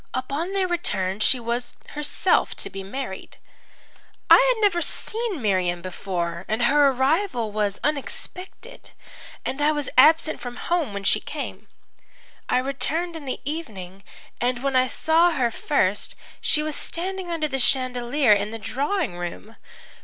Upon their return she was herself to be married. "I had never seen Miriam before. Her arrival was unexpected, and I was absent from home when she came. I returned in the evening, and when I saw her first she was standing under the chandelier in the drawing room.